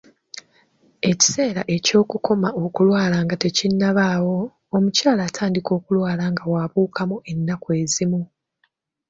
Ekiseera eky'okukoma okulwala nga tekinnabaawo, omukyala atandika okulwala nga bw'abuukamu ennaku ezimu